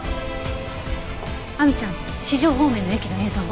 亜美ちゃん四条方面の駅の映像を。